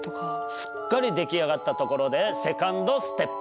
すっかり出来上がったところでセカンドステップ。